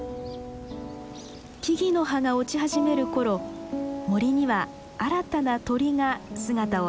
木々の葉が落ち始める頃森には新たな鳥が姿を現します。